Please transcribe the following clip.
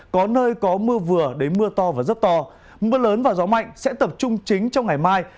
có nơi có mưa vừa đến mưa to và rất to mưa lớn và gió mạnh sẽ tập trung chính trong ngày mai